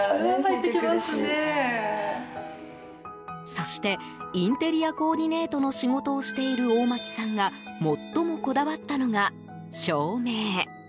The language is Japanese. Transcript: そしてインテリアコーディネートの仕事をしている大巻さんが最もこだわったのが照明。